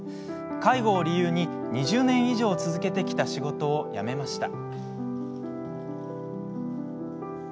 介護を理由に２０年以上続けてきた仕事を辞めました。